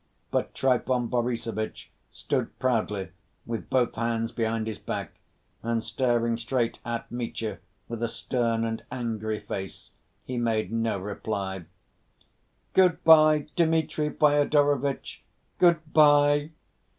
But Trifon Borissovitch stood proudly, with both hands behind his back, and staring straight at Mitya with a stern and angry face, he made no reply. "Good‐by, Dmitri Fyodorovitch, good‐by!"